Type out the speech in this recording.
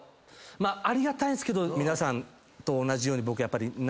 ありがたいんすけど皆さんと同じように僕やっぱり夏が。